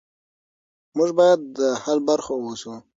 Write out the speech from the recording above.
موږ باید د حل برخه اوسو.